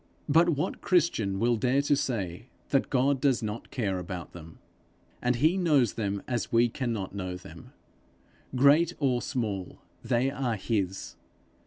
But what Christian will dare to say that God does not care about them? and he knows them as we cannot know them. Great or small, they are his.